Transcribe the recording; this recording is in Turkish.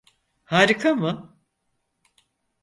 Harika mı?